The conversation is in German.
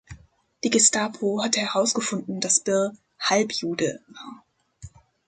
Die Gestapo hatte herausgefunden, dass Birr „Halbjude“ war.